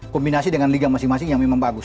kombinasi dengan liga masing masing yang memang bagus